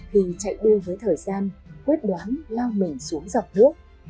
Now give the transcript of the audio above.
khi chạy đu với thời gian quyết đoán lao mình xuống dọc nước